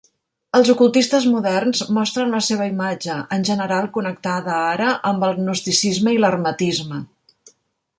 Els ocultistes moderns mostren la seva imatge, en general connectada ara amb el gnosticisme i l'hermetisme.